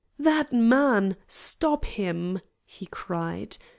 "That man stop him!" he cried.